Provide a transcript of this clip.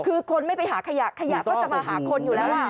คือคนไม่ไปหาขยะขยะก็จะมาหาคนอยู่แล้ว